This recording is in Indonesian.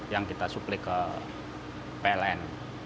yang kita suplik ke pln